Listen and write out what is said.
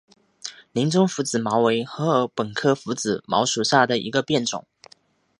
林中拂子茅为禾本科拂子茅属下的一个变种。